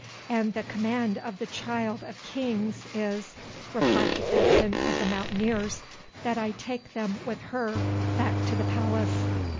"And the command of the Child of Kings is," replied the captain of the Mountaineers, "that I take them with her back to the palace."